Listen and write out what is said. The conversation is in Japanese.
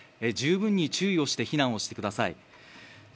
十分に注意して避難をしてください。